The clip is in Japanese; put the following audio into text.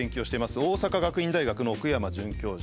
大阪学院大学の奥山准教授。